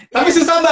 tapi susah mba